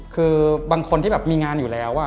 คือบางคนที่แบบมีงานอยู่แล้ว